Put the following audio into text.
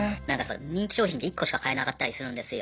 人気商品って１個しか買えなかったりするんですよ。